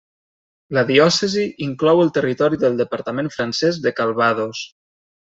La diòcesi inclou el territori del departament francès de Calvados.